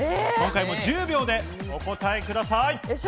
今回も１０秒でお答えください。